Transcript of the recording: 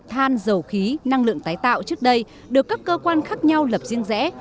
than dầu khí năng lượng tái tạo trước đây được các cơ quan khác nhau lập riêng rẽ